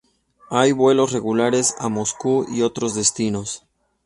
Hay vuelos regulares a Moscú y otros destinos.